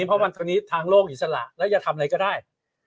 เพราะว่าตอนนี้ทางโลกอิสระแล้วจะทำอะไรก็ได้